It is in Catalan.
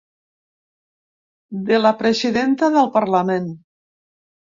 De la presidenta del parlament.